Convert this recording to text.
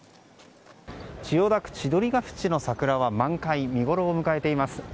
千代田区千鳥ケ淵の桜は満開、見ごろを迎えています。